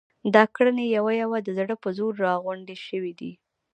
دا ګړنی یوه یوه د زړه په زور را غونډې شوې دي.